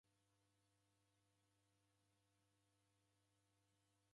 Omoni ni mndu oandika habari.